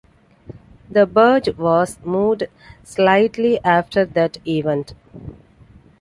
The barge was moved slightly after that event.